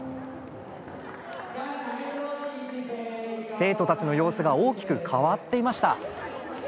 生徒たちの様子が大きく変わっていました。